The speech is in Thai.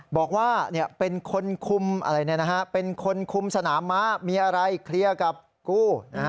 บอกว่าเป็นคนคุมสนาม้ามีอะไรเคลียร์กับกู